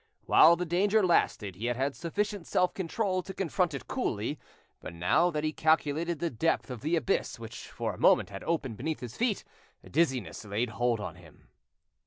While the danger lasted, he had had sufficient self control to confront it coolly, but now that he calculated the depth of the abyss which for a moment had opened beneath his feet, dizziness laid hold on him.